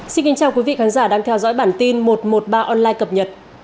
xin kính chào quý vị khán giả đang theo dõi bản tin một trăm một mươi ba online cập nhật